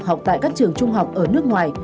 học tại các trường trung học ở nước ngoài